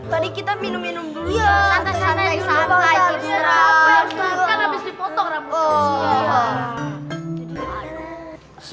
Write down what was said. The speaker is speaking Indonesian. tadi kita minum minum dulu ya